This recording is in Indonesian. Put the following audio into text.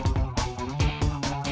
tidak ada yang bisa dikunci